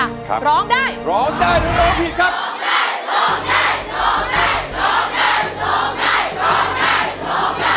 ครับขอบคุณนะครับ